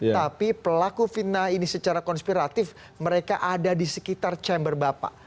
tapi pelaku fitnah ini secara konspiratif mereka ada di sekitar chamber bapak